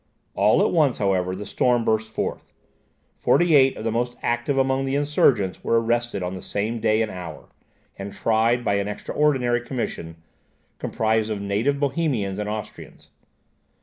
All at once, however, the storm burst forth; forty eight of the most active among the insurgents were arrested on the same day and hour, and tried by an extraordinary commission, composed of native Bohemians and Austrians.